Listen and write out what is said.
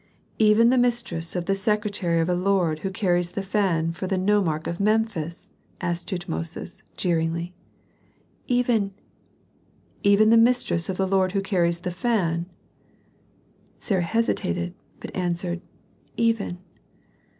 "Even the mistress of the secretary of a lord who carries the fan for the nomarch of Memphis?" asked Tutmosis, jeeringly. "Even " "Even the mistress of the lord who carries the fan?" Sarah hesitated, but answered, "Even."